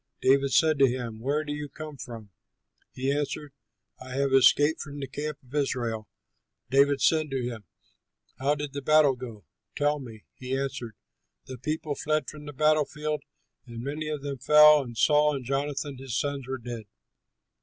David said to him, "Where do you come from?" He answered, "I have escaped from the camp of Israel." David said to him, "How did the battle go? Tell me." He answered, "The people fled from the battle field, and many of them fell, and Saul and Jonathan his son are dead!"